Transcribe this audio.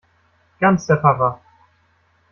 Ganz der Papa!